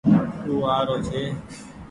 او آ رو ڇي